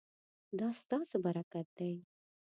دا ستاسو برکت دی